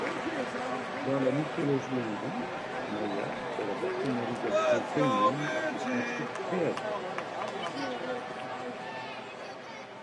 Dans la mythologie hindoue, Maïa est la personnalisation féminine du principe créateur.